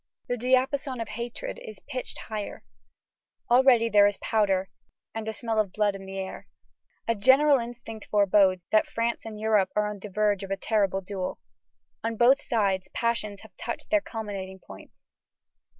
The diapason of hatred is pitched higher. Already there is powder and a smell of blood in the air. A general instinct forebodes that France and Europe are on the verge of a terrible duel. On both sides passions have touched their culminating point.